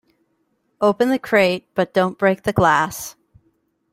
Open the crate but don't break the glass.